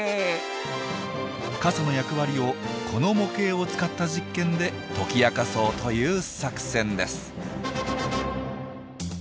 傘の役割をこの模型を使った実験で解き明かそうという作戦です。